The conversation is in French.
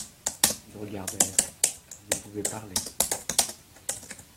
Ils regardèrent, ils ne pouvaient parler.